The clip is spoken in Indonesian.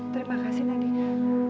terima kasih nadhika